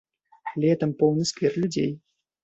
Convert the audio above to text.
Летам поўны сквер людзей.